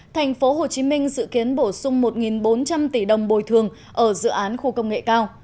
thành phố hồ chí minh dự kiến bổ sung một bốn trăm linh tỷ đồng bồi thường ở dự án khu công nghệ cao